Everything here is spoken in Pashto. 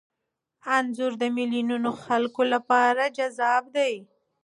انځور د میلیونونو خلکو لپاره جذاب دی.